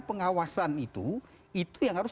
pengawasan itu itu yang harus